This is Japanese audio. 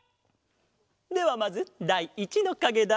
ではまずだい１のかげだ。